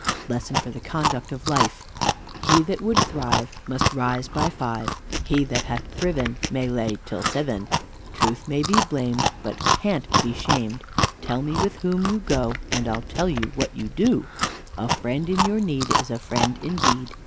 LESSON FOR THE CONDUCT OF LIFE He that would thrive, Must rise by five. He that hath thriven, May lay till seven. Truth may be blamed But can't be shamed. Tell me with whom you go, And I'll tell what you do. A friend in your need, Is a friend indeed.